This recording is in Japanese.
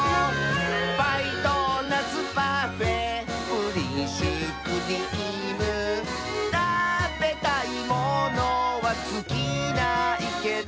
「パイドーナツパフェプリンシュークリーム」「たべたいものはつきないけど」